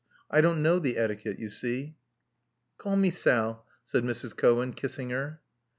I don't know the etiquette, you see.*' Call me Sal,*' said Mrs. Cohen, kissing her.